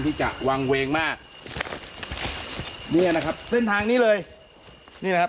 ที่จะวางเวงมากเนี่ยนะครับเส้นทางนี้เลยนี่นะครับ